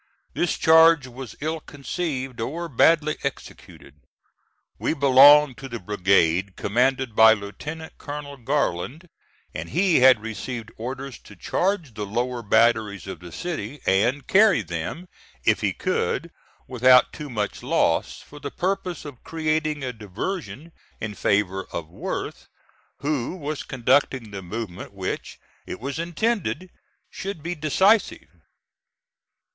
This charge was ill conceived, or badly executed. We belonged to the brigade commanded by Lieutenant Colonel Garland, and he had received orders to charge the lower batteries of the city, and carry them if he could without too much loss, for the purpose of creating a diversion in favor of Worth, who was conducting the movement which it was intended should be decisive.